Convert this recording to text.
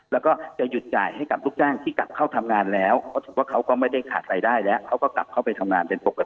แล้วก็จะหยุดจ่ายให้กับลูกจ้าง